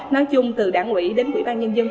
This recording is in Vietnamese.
nói chung từ đảng quỹ đến quỹ ban nhân dân phường